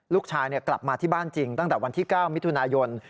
กลับมาที่บ้านจริงตั้งแต่วันที่๙มิถุนายน